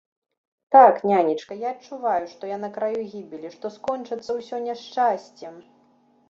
Так, нянечка, я адчуваю, што я на краю гібелі, што скончыцца ўсё няшчасцем!